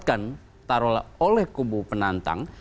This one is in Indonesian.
isu yang disemprotkan taruh oleh kubu penantang